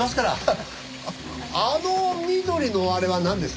あの緑のあれはなんですか？